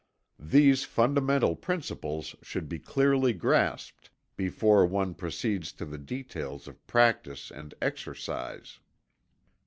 These fundamental principles should be clearly grasped before one proceeds to the details of practice and exercise.